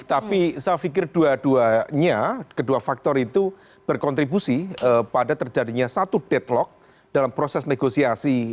tapi saya pikir dua duanya kedua faktor itu berkontribusi pada terjadinya satu deadlock dalam proses negosiasi